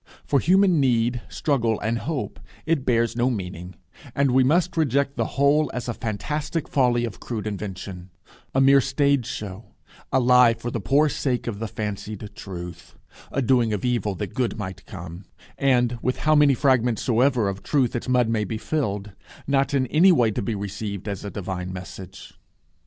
For human need, struggle, and hope, it bears no meaning; and we must reject the whole as a fantastic folly of crude invention; a mere stage show; a lie for the poor sake of the fancied truth; a doing of evil that good might come; and, with how many fragments soever of truth its mud may be filled, not in any way to be received as a divine message.